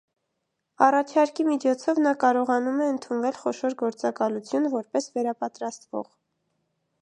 Առաջարկի միջոցով նա կարողանում է ընդունվել խոշոր գործակալություն, որպես վերապատրաստվող։